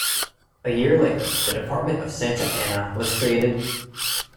A year later, the department of Santa Ana was created.